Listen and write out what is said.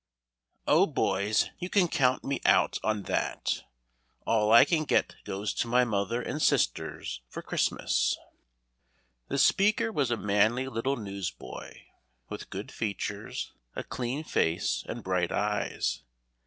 "Oh, boys; you can count me out on that all I can get goes to my mother and sisters for Christmas." The speaker was a manly little newsboy, with good features, a clean face and bright eyes.